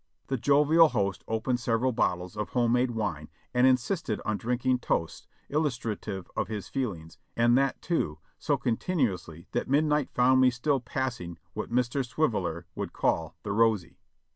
The jovial host opened several bottles of home made wine and insisted on drinking" toasts illustrative of his feelings, and that, too, so continuously that midnight found me still passing what Mr. Swiveller would call the "rosy."